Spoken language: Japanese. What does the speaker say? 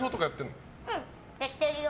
うん、やってるよ。